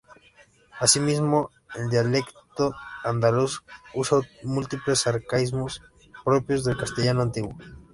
Asimismo el dialecto andaluz usa múltiples arcaísmos propios del castellano antiguo.